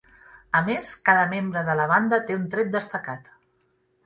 A més, cada membre de la banda té un tret destacat.